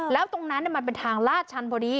แล้วตรงนั้นมันเป็นทางลาดชันพอดี